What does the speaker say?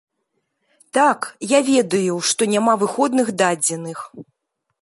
Так, я ведаю, што няма выходных дадзеных.